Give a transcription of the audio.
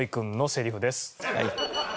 はい。